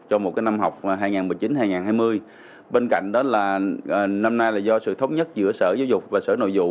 cho một năm học hai nghìn một mươi chín hai nghìn hai mươi bên cạnh đó là năm nay là do sự thống nhất giữa sở giáo dục và sở nội vụ